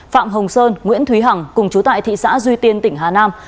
phạm hồng sơn nguyễn thúy hằng cùng chú tại thị xã duy tiên tỉnh hà nam